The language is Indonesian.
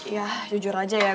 yah jujur aja ya